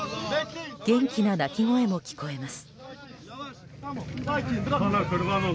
元気な泣き声も聞こえます。